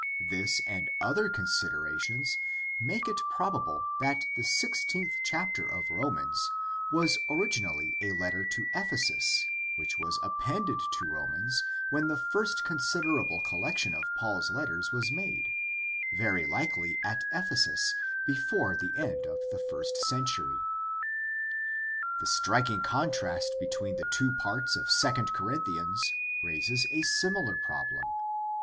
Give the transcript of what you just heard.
This and other considerations make it probable that the sixteenth chapter of Romans was originally a letter to Ephesus which was appended to Romans when the first considerable collection of Paul's letters was made, very likely at Ephesus before the end of the first century. The striking contrast between the two parts of II Corinthi ans raises a similar problem.